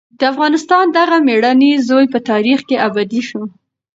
د افغانستان دغه مېړنی زوی په تاریخ کې ابدي شو.